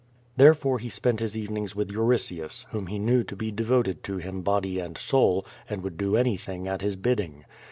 Therefore he spent his evenings with Euritius, whom he knew to be devoted to him body and soul and would do any thing at his bidding.